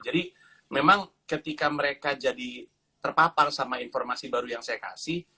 jadi memang ketika mereka jadi terpapar sama informasi baru yang saya kasih